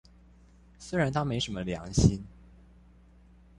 雖然他沒什麼良心